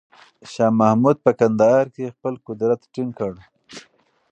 شاه محمود په کندهار کې خپل قدرت ټینګ کړ.